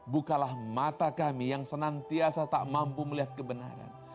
bukalah mata kami yang senantiasa tak mampu melihat kebenaran